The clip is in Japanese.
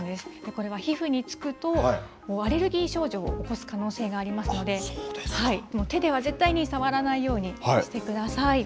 これは皮膚につくと、アレルギー症状を起こす可能性がありますので、手では絶対に触らないようにしてください。